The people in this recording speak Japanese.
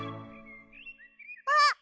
あっ！